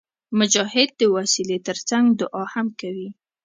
مجاهد د وسلې تر څنګ دعا هم کوي.